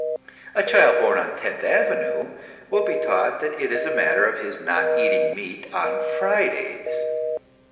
A child born on Tenth Avenue will be taught that it is a matter of his not eating meat on Fridays.